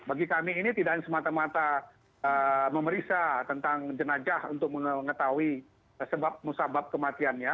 bagi kami ini tidak hanya semata mata memeriksa tentang jenajah untuk mengetahui sebab musabab kematiannya